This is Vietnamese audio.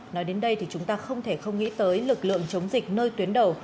nói đến đây thì chúng ta không thể không nghĩ tới lực lượng chống dịch nơi tuyến đầu